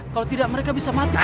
kalau tidak mereka bisa mati